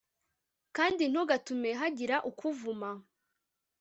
kandi ntugatume hagira ukuvuma